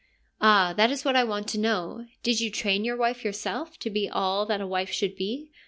' Ah, that is what I want to know. Did you train your wife yourself to be all that a wife should be